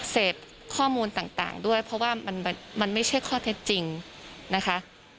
เสพข้อมูลต่างด้วยเพราะว่ามันไม่ใช่ข้อเท็จจริงนะคะ